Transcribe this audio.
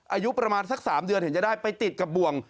อายุประมาณสัก๓เดือนเห็นจะได้ไปติดกับบ่วง